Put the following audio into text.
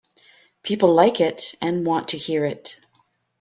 People like it and want to hear it.